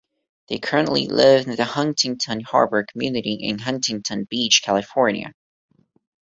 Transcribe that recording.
They currently live in the Huntington Harbour community in Huntington Beach, California.